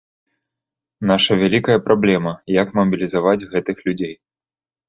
Наша вялікая праблема, як мабілізаваць гэтых людзей.